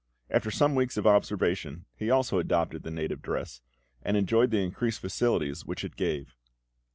After some weeks of observation he also adopted the native dress, and enjoyed the increased facilities which it gave.